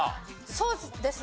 そうですね。